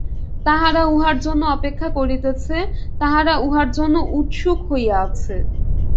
তাহারা উহার জন্য অপেক্ষা করিতেছে, তাহারা উহার জন্য উৎসুক হইয়া আছে।